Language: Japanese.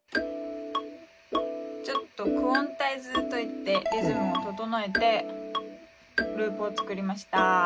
ちょっとクオンタイズといってリズムを整えてループを作りました。